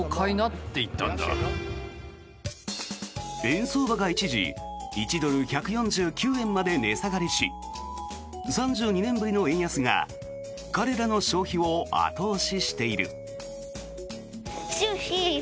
円相場が一時１ドル＝１４９円まで値下がりし３２年ぶりの円安が彼らの消費を後押ししている。